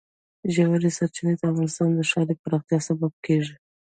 ژورې سرچینې د افغانستان د ښاري پراختیا سبب کېږي.